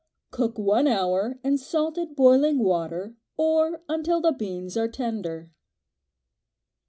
Cook one hour in salted boiling water, or until the beans are tender.